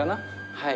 はい。